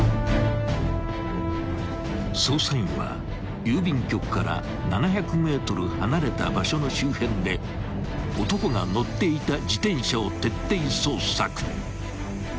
［捜査員は郵便局から７００ｍ離れた場所の周辺で男が乗っていた］